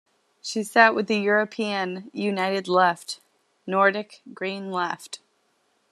She sat with the European United Left - Nordic Green Left.